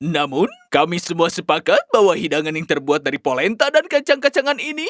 namun kami semua sepakat bahwa hidangan yang terbuat dari polenta dan kacang kacangan ini